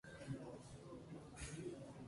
Nicolette Krebitz made her film debut at age eleven.